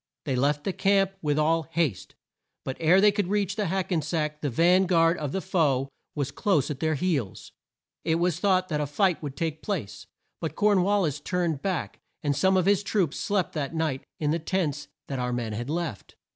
They left the camp with all haste, but ere they could reach the Hack en sack the van guard of the foe was close at their heels. It was thought that a fight would take place, but Corn wal lis turned back and some of his troops slept that night in the tents that our men had left.